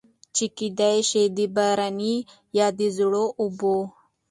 چې کېدے شي د بارانۀ يا د زړو اوبو